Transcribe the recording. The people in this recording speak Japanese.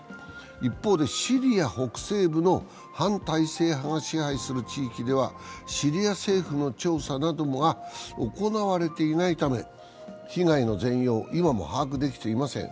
一方でシリア北西部の反体制派が支配する地域ではシリア政府の調査なども行われていないため、被害の全容、今も把握できていません。